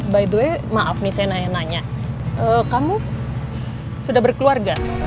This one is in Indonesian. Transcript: by the way maaf nih saya nanya nanya kamu sudah berkeluarga